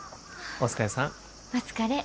お疲れ。